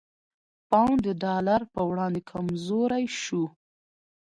پونډ د ډالر په وړاندې کمزوری شو؛